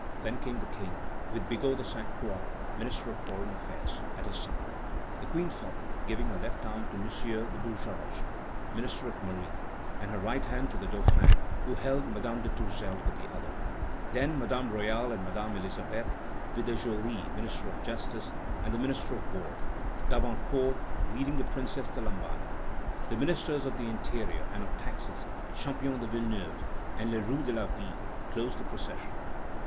Then came the King, with Bigot de Sainte Croix, Minister of Foreign Affairs, at his side; the Queen followed, giving her left arm to M. du Bouchage, Minister of Marine, and her right hand to the Dauphin, who held Madame de Tourzel with the other; then Madame Royale and Madame Elisabeth, with De Joly, Minister of Justice; the Minister of War, D'Abancourt, leading the Princess de Lamballe. The Ministers of the Interior and of Taxes, Champion de Villeneuve and Le Roux de la Ville, closed the procession.